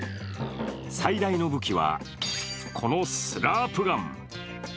最大の武器は、このスラープガン。